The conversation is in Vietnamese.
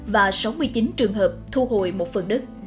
và sáu mươi chín trường hợp thu hồi một phần đất